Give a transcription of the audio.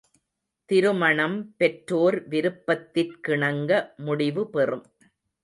திருமணம் பெற்றோர் விருப்பத்திற்கிணங்க முடிவு பெறும்.